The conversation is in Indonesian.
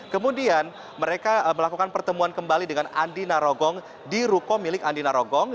kemudian mereka melakukan pertemuan kembali dengan andina rogong di ruko milik andina rogong